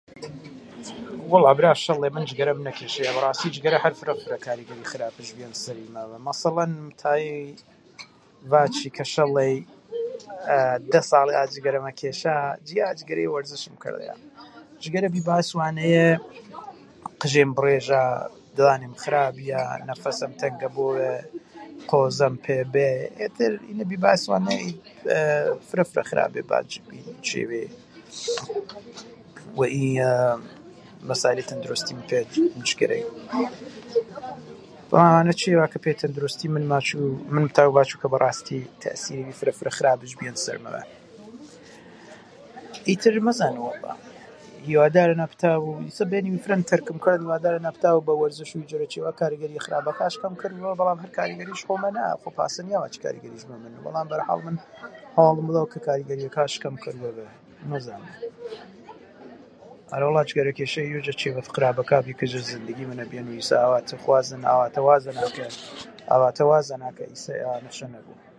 وەڵا برا شەڵەی من جگەرەم نەکەیشەیا بەڕاسی جگەرە هەر فرە فرە کاریگەریێڤی خرابش بیەن سەرمەڤە مەسەڵەن متاڤی ڤاچی کە شەلەی